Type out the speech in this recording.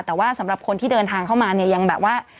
แต่ว่าสำหรับคนที่เดินทางเข้ามาเนี่ยยังแบบว่า